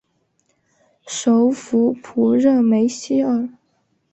首府普热梅希尔。